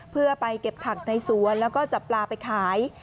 เพื่อไปเก็บผักในสวนแล้วก็จับปลาไปขาย